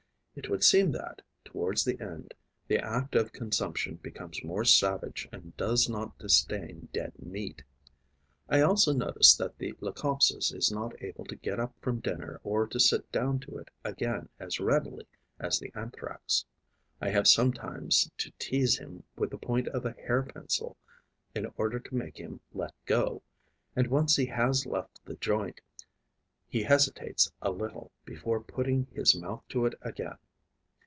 It would seem that, towards the end, the act of consumption becomes more savage and does not disdain dead meat. I also notice that the Leucopsis is not able to get up from dinner or to sit down to it again as readily as the Anthrax. I have sometimes to tease him with the point of a hair pencil in order to make him let go; and, once he has left the joint, he hesitates a little before putting his mouth to it again.